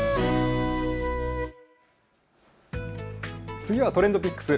次はＴｒｅｎｄＰｉｃｋｓ。